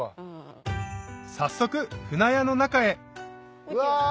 早速舟屋の中へうわ！